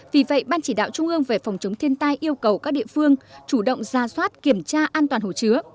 vì vậy ban chỉ đạo trung ương về phòng chống thiên tai yêu cầu các địa phương chủ động ra soát kiểm tra an toàn hồ chứa